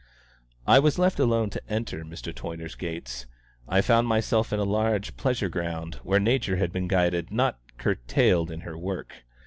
I was left alone to enter Mr. Toyner's gates. I found myself in a large pleasure ground, where Nature had been guided, not curtailed, in her work.